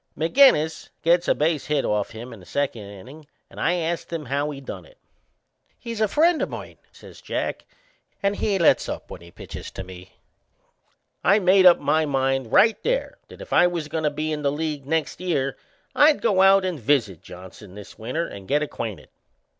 McInnes gets a base hit off him in the second innin' and I ast him how he done it. "He's a friend o' mine," says Jack, "and he lets up when he pitches to me." I made up my mind right there that if I was goin' to be in the league next year I'd go out and visit Johnson this winter and get acquainted.